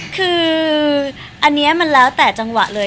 คืออันนี้มันแล้วแต่จังหวะเลย